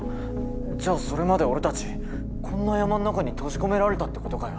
じゃあそれまで俺たちこんな山ん中に閉じ込められたってことかよ。